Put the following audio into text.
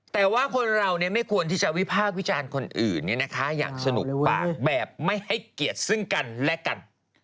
แต่ว่าคนเราไม่ควรที่จะวิพากษ์วิจารณ์คนอื่นอย่างสนุกปากแบบไม่ให้เกียรติซึ่งกันและกัน